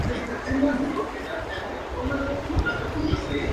Es mencionado por antiguos libros persas y por varios poetas de la tradición sufí.